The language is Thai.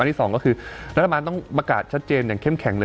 ที่สองก็คือรัฐบาลต้องประกาศชัดเจนอย่างเข้มแข็งเลย